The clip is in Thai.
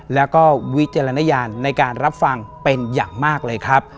แล้วก็วิจารณญาณในการรับฟังเป็นอย่างมากเลยครับ